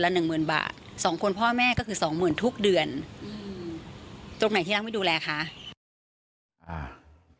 ละสี่เมืองบาท